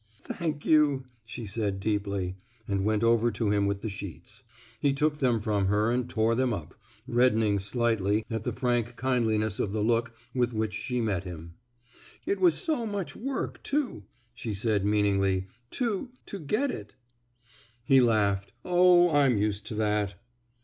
"Thank you," she said, deeply, and went over to him with the sheets. He took them from her and tore them up, reddening slightly at the frank kindliness of the look with which she met him. *' It was so much work, too," she said, meaningly, to — to get it." He laughed. '' Oh, I'm used to that."